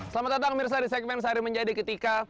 selamat datang mirsa di segmen sehari menjadi ketika